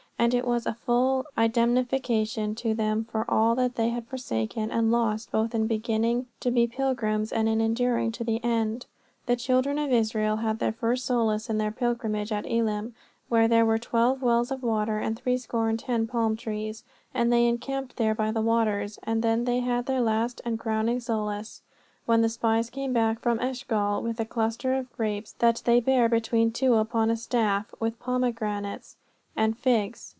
And it was a full indemnification to them for all that they had forsaken and lost both in beginning to be pilgrims and in enduring to the end. The children of Israel had their first solace in their pilgrimage at Elim, where there were twelve wells of water and threescore and ten palm trees; and they encamped there by the waters. And then they had their last and crowning solace when the spies came back from Eshcol with a cluster of grapes that they bare between two upon a staff, with pomegranates and figs.